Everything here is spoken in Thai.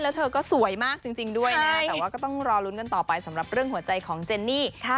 แล้วเธอก็สวยมากจริงด้วยนะแต่ว่าก็ต้องรอลุ้นกันต่อไปสำหรับเรื่องหัวใจของเจนนี่